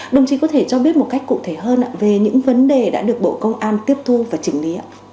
đồng chí có thể cho biết một cách cụ thể hơn về những vấn đề đã được bộ công an tiếp thu và chỉnh lý